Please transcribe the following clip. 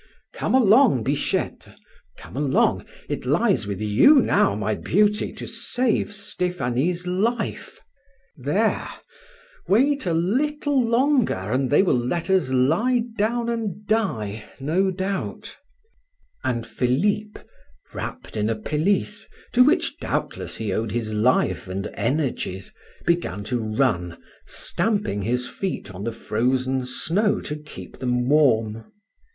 "Come along, Bichette! come along! It lies with you now, my beauty, to save Stephanie's life. There, wait a little longer, and they will let us lie down and die, no doubt;" and Philip, wrapped in a pelisse, to which doubtless he owed his life and energies, began to run, stamping his feet on the frozen snow to keep them warm.